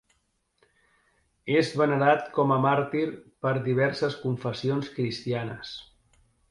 És venerat com a màrtir per diverses confessions cristianes.